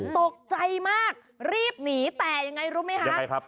ตกใจมากรีบหนีแต่ยังไงรู้ไหมคะ